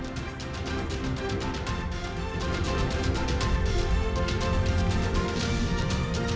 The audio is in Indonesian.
nah kita bicara ini kann